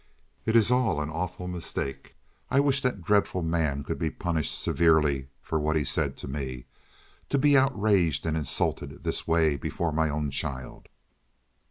"It is all an awful mistake. I wish that dreadful man could be punished severely for what he said to me. To be outraged and insulted this way before my own child!"